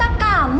baik lah bu